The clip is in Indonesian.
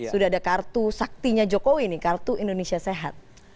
sudah ada kartu saktinya jokowi nih kartu indonesia sehat